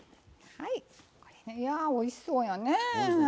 いやおいしそうやねえ。